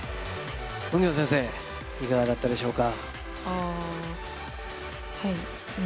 ウンギョン先生、いかがだったでしょうか？